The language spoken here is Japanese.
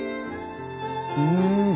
うん！